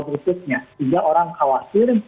berikutnya tiga orang khawatir